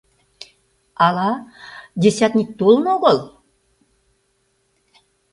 — Ала... десятник толын огыл...